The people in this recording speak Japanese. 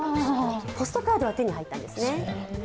ポストカードは手に入ったんですね。